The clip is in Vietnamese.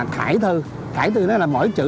khải thư khải thư đó là mỗi chữ